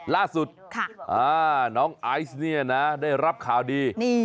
ล่าสุดน้องไอซ์เนี่ยนะได้รับข่าวดี